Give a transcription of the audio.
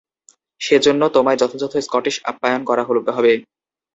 সেজন্য তোমায় যথাযথ স্কটিশ আপ্যায়ন করা হবে।